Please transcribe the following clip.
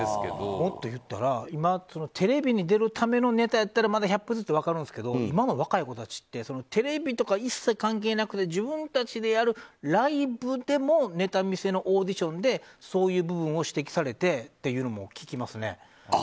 もっと言ったら、今テレビに出るためのネタやったらまだ百歩譲って分かるんですけど今の若い子たちってテレビとか一切関係なくて自分たちでやるライブでもネタ見せのオーディションでそういう部分を指摘されてっていうのも聞きますね。